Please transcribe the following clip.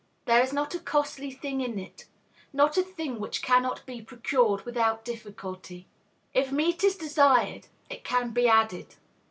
There is not a costly thing in it; not a thing which cannot be procured without difficulty. If meat is desired, it can be added.